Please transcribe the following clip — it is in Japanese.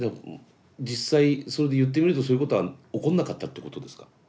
実際それで言ってみるとそういうことは起こんなかったってことですか？